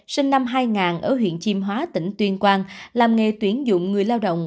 sinh năm hai nghìn ở huyện chiêm hóa tỉnh tuyên quang làm nghề tuyển dụng người lao động